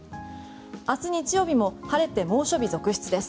明日日曜日も晴れて猛暑日続出です。